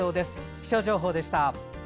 気象情報でした。